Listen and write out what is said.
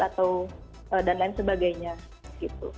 atau dan lain sebagainya gitu